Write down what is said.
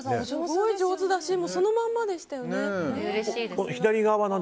すごい上手だしそのまんまでしたよね。